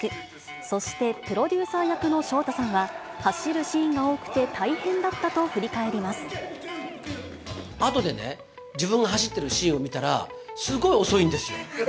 そして、プロデューサー役の昇太さんは、走るシーンが多くて大変だったとあとでね、自分が走ってるシーンを見たら、すごい遅いんですよ。